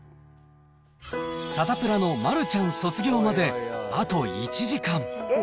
サタプラの丸ちゃん卒業まで、あと１時間。